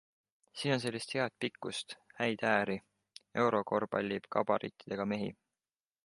Siin on sellist head pikkust, häid ääri - eurokorvpalli gabariitidega mehi.